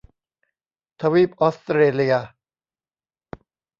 ทวีปออสเตรเลีย